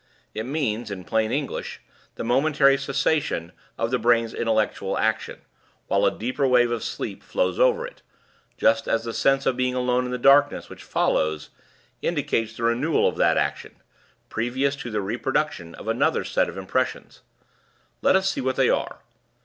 It means, in plain English, the momentary cessation of the brain's intellectual action, while a deeper wave of sleep flows over it, just as the sense of being alone in the darkness, which follows, indicates the renewal of that action, previous to the reproduction of another set of impressions. Let us see what they are.